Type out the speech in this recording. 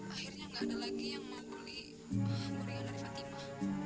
akhirnya nggak ada lagi yang mau beli muringan dari fatimah